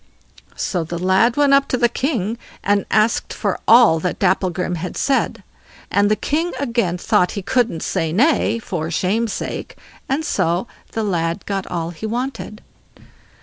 So the lad went up to the king and asked for all that Dapplegrim had said, and the king again thought he couldn't say nay, for shame's sake, and so the lad got all he wanted.